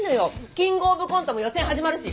キングオブコントも予選始まるし。